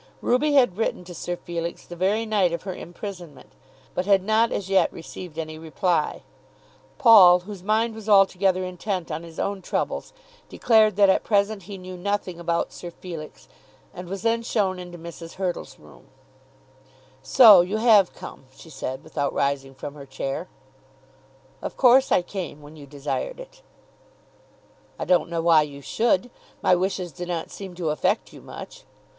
Ruby had written to Sir Felix the very night of her imprisonment, but had not as yet received any reply. Paul, whose mind was altogether intent on his own troubles, declared that at present he knew nothing about Sir Felix, and was then shown into Mrs. Hurtle's room. [Illustration: The door was opened for him by Ruby.] "So you have come," she said, without rising from her chair. "Of course I came, when you desired it." "I don't know why you should. My wishes do not seem to affect you much.